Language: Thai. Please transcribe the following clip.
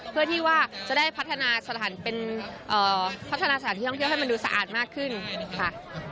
เพื่อที่ว่าจะได้พัฒนาสถานที่ท่องเที่ยวให้มันดูสะอาดมากขึ้นค่ะ